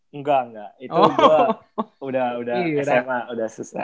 engga engga itu gue udah sma udah susah